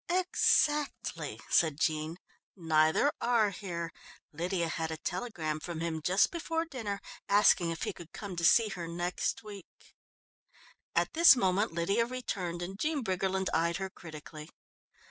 "Exactly," said Jean, "neither are here Lydia had a telegram from him just before dinner asking if he could come to see her next week." At this moment Lydia returned and Jean Briggerland eyed her critically.